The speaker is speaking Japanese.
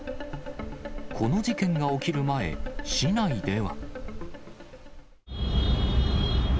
この事件が起きる前、市内では。